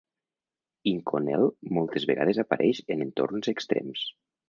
Inconel moltes vegades apareix en entorns extrems.